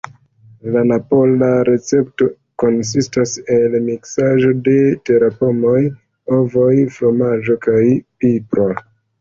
La napola recepto konsistas el miksaĵo de terpomoj, ovoj, fromaĝo kaj pipro.